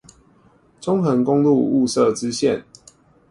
中橫公路霧社支線